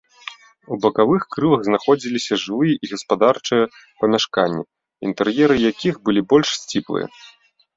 У бакавых крылах знаходзіліся жылыя і гаспадарчыя памяшканні, інтэр'еры якіх былі больш сціплыя.